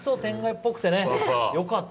っぽくてよかった。